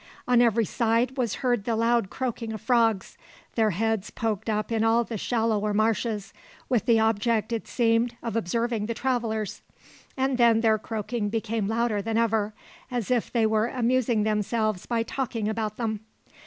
On every side was heard the loud croaking of frogs; their heads poked up in all the shallower marshes, with the object, it seemed, of observing the travellers, and then their croaking became louder than ever, as if they were amusing themselves by talking about them.